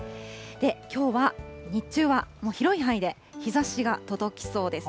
きょうは日中はもう広い範囲で日ざしが届きそうです。